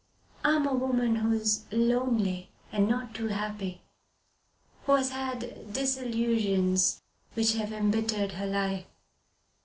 I am a woman who is lonely and not too happy, who has had disillusions which have embittered her life.